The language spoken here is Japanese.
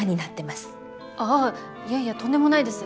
ああいやいやとんでもないです。